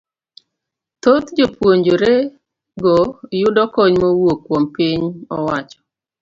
Thoth jopuonjrego yudo kony mowuok kuom piny owacho.